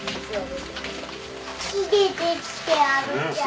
木でできてあるじゃん。